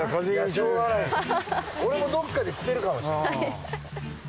俺もどっかで着てるかもしれない。